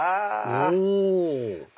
お！